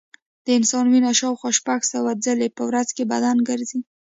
د انسان وینه شاوخوا شپږ سوه ځلې په ورځ بدن ګرځي.